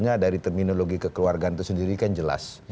dan yang berdasarkan dari terminologi kekeluargaan itu sendiri kan jelas